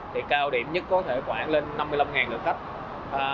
thì cao điểm nhất có thể khoảng lên năm mươi năm lượt khách